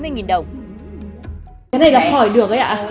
cái này là khỏi được đấy ạ